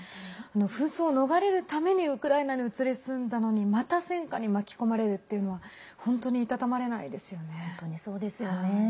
紛争を逃れるためにウクライナに移り住んだのにまた戦火に巻き込まれるっていうのは本当に、いたたまれないですよね。